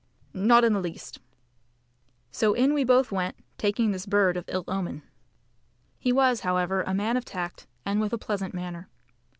"Not in the least." So in we both went, taking this bird of ill omen. He was, however, a man of tact and with a pleasant manner.